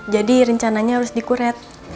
jadi rencananya harus dikuret